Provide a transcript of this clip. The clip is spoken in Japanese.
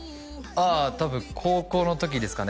あ多分高校の時ですかね